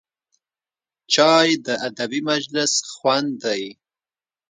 چای د ادبي مجلس خوند دی